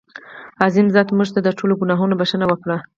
عظیمه ذاته مونږ ته د ټولو ګناهونو بښنه وکړه.